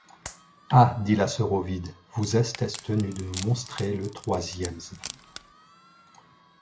Ah ! dit la sœur Ovide, vous estes tenue de nous monstrer le troisiesme.